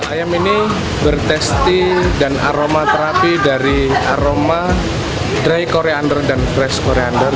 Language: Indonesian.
ayam ini bertesti dan aroma terapi dari aroma dry koriander dan fresh koriander